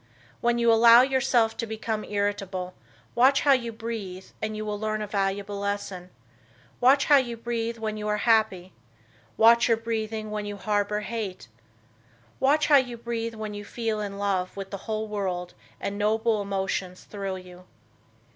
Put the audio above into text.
When you allow yourself to become irritable, watch how you breathe and you will learn a valuable lesson. Watch how you breathe when you are happy. Watch your breathing when you harbor hate. Watch how you breathe when you feel in love with the whole world and noble emotions thrill you.